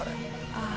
ああ。